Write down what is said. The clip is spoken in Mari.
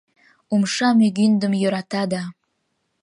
Умша мӱгиндым йӧрата да